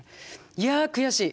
いや悔しい。